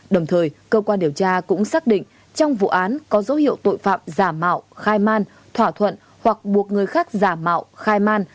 đồng thời cơ quan điều tra cũng xác định trong vụ án có dấu hiệu tội phạm giả mạo khai man thỏa thuận hoặc buộc người khác giả mạo khai man